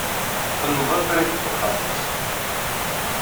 Tenneḍ afrag n uxxam-is.